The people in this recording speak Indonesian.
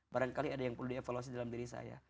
barangkali ada yang perlu dievaluasi dalam diri saya